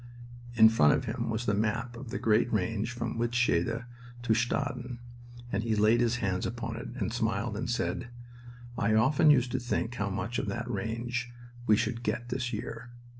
In front of him was the map of the great range from Wytschaete to Staden, and he laid his hand upon it and smiled and said: "I often used to think how much of that range we should get this year.